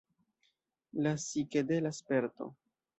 Psikedela sperto!